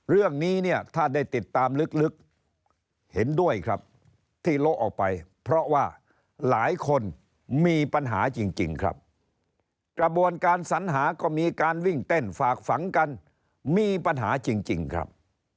เรื่องนี้เนี่ยถ้าได้ติดตามลึกเห็นด้วยครับที่โละออกไปเพราะว่าหลายคนมีปัญหาจริงครับกระบวนการสัญหาก็มีการวิ่งเต้นฝากฝังกันมีปัญหาจริงครับ